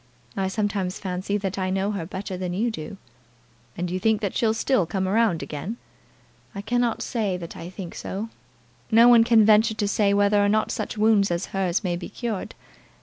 I sometimes fancy that I know her better than you do." "And you think that she'll still come round again?" "I cannot say that I think so. No one can venture to say whether or not such wounds as hers may be cured.